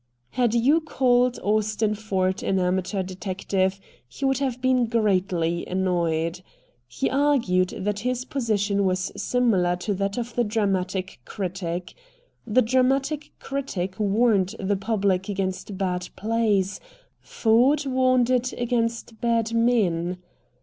Had you called Austin Ford an amateur detective he would have been greatly annoyed. He argued that his position was similar to that of the dramatic critic. The dramatic critic warned the public against bad plays; Ford warned it against bad men.